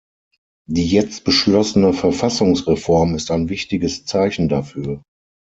Die jetzt beschlossene Verfassungsreform ist ein wichtiges Zeichen dafür.